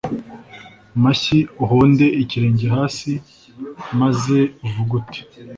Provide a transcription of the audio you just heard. mashyi uhonde ikirenge hasi maze uvuge uti